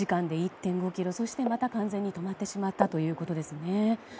そしてまた完全に止まってしまったということですね。